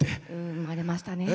生まれましたね。